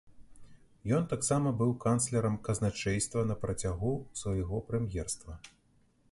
Ён таксама быў канцлерам казначэйства на працягу свайго прэм'ерства.